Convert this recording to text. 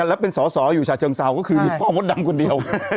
แล้วเป็นสาวอยู่ชาเชิงสาวก็คือพ่อมดดำคนเดียว